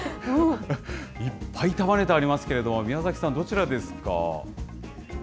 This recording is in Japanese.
いっぱい束ねてありますけれども、宮崎さん、どちらですか。